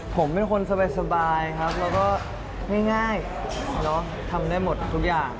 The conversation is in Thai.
ผมเป็นคนสบายครับแล้วก็ง่ายทำได้หมดทุกอย่าง